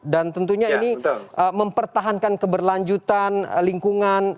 dan tentunya ini mempertahankan keberlanjutan lingkungan